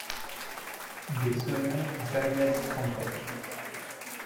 Des sonneurs du Bagad Kemper.